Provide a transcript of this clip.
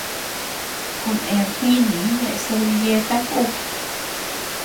Kuned jinii ñeʼe servilleta ku.